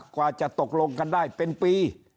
กว่าจะตกลงกันได้เป็นปี